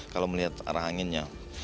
kalau melihat arah anginnya